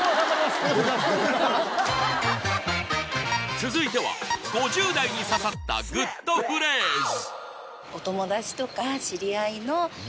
続いては５０代に刺さったグッとフレーズ